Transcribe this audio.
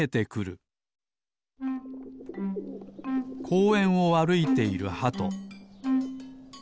こうえんをあるいているハト。